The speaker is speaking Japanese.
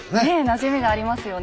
なじみがありますよね。